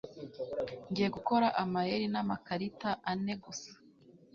Ngiye gukora amayeri n'amakarita ane gusa.